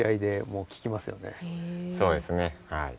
そうですねはい。